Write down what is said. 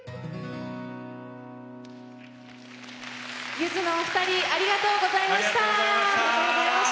ゆずのお二人ありがとうございました。